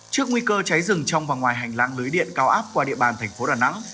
trước nguy cơ cháy rừng trong và ngoài hành lang lưới điện cao áp qua địa bàn thành phố đà nẵng